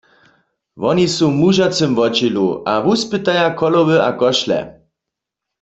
Woni su w mužacym wotdźělu a wuspytaja cholowy a košle.